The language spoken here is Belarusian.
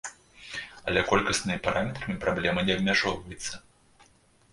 Але колькаснымі параметрамі праблема не абмяжоўваецца.